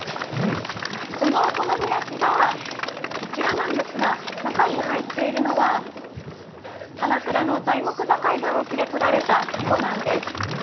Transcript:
そのお好み焼きがこちらなんですが、中に入っているのは鎌倉の材木座海岸沖でとれたたこなんです。